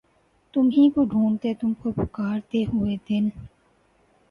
تمہی کو ڈھونڈتے تم کو پکارتے ہوئے دن